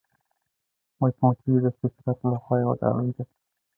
مچمچۍ د فطرت له خوا یوه ډالۍ ده